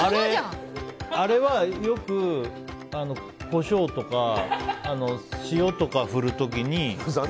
あれは、よくコショウとか塩とか振る時に。